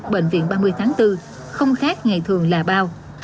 bệnh viện ba mươi tháng bốn không khác ngày thường là bao